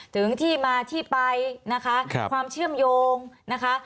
ถึงที่มาที่ไปนะคะความเชื่อมโยงนะคะ